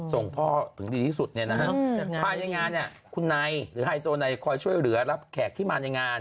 ส่งพ่อถึงดีที่สุดเนี่ยนะฮะภายในงานเนี่ยคุณนายหรือไฮโซไนคอยช่วยเหลือรับแขกที่มาในงาน